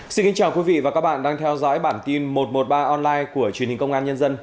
xin kính chào quý vị và các bạn đang theo dõi bản tin một trăm một mươi ba online của truyền hình công an nhân dân